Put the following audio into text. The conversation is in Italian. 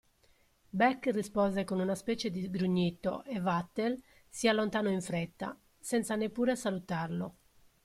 Beck rispose con una specie di grugnito e Vatel si allontanò in fretta, senza neppure salutarlo.